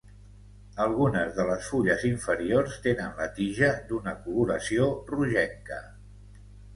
Algunes de les fulles inferiors tenen la tija d'una coloració rogenca.